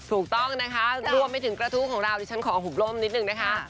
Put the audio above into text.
ถูกต้องนะคะรวมไปถึงกระทู้ของเราดิฉันขอหุบล่มนิดนึงนะคะ